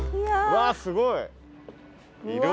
わっすごい！